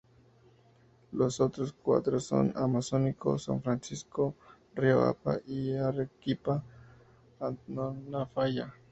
Los otros cuatro son: Amazónico, São Francisco, Río Apa y Arequipa–Antofalla.